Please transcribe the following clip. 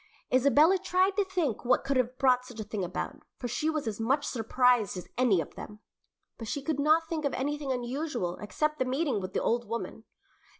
Isabella tried to think what could have brought such a thing about, for she was as much surprised as any of them, but she could not think of anything unusual except the meeting with the old woman.